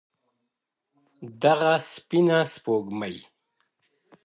o دغه سپينه سپوږمۍ؛